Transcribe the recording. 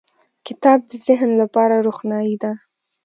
• کتاب د ذهن لپاره روښنایي ده.